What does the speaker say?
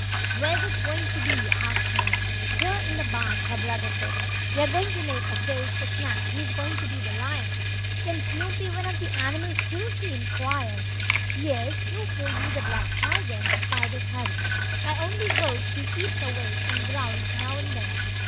"Where's it going to be?" asked Nan. "Here in the barn," her brother said. "We're going to make a cage for Snap he's going to be the lion." "Can Snoop be one of the animals, too?" she inquired. "Yes, Snoop will be the black tiger," decided Harry. "I only hope he keeps awake, and growls now and then.